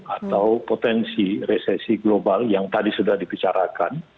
atau potensi resesi global yang tadi sudah dibicarakan